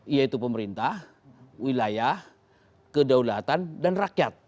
yaitu pemerintah wilayah kedaulatan dan rakyat